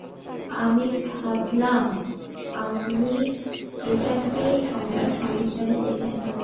আমি ভাবলাম আপনি এটাকে একটা সম্ভাবনা হিসেবে দেখবেন।